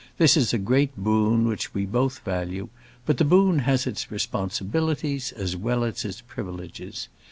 This is a great boon which we both value, but the boon has its responsibilities as well as its privileges.